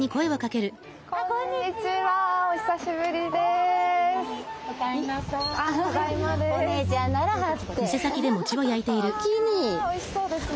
わあおいしそうですね。